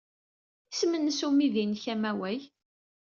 Isem-nnes umidi-nnek amaway?